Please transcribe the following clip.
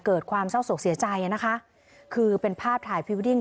เกิดความเศร้าศกเสียใจนะคะคือเป็นภาพถ่ายพรีเวดดิ้ง